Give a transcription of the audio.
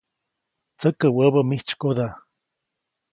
Tsäkä wäbä mijtsykoda.